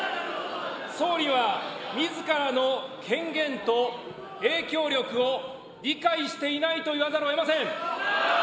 総理はみずからの権限と影響力を理解していないと言わざるをえません。